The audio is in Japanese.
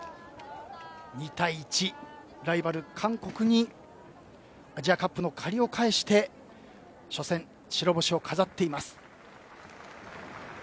２対１、ライバル韓国にアジアカップの借りを返して初戦、白星を飾っています。